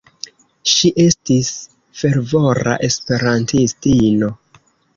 Ŝi estis fervora esperantistino.